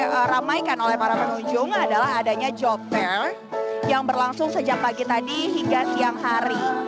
yang diramaikan oleh para pengunjung adalah adanya job fair yang berlangsung sejak pagi tadi hingga siang hari